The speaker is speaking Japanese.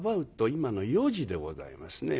今の４時でございますね。